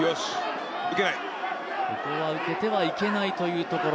ここは受けてはいけないというところ。